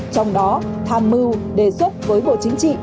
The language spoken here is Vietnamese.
trong đó tham mưu đề xuất với bộ chính trị